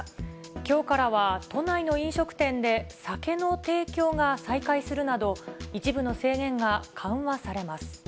きょうからは、都内の飲食店で酒の提供が再開するなど、一部の制限が緩和されます。